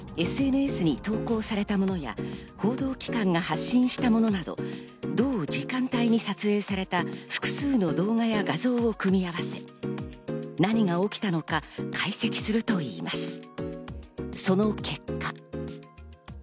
ＳＮＳに投稿されたものや報道機関が発信したものなどどの時間帯に撮影された動画を組み合わせ、何が起きたのか解析するといいます。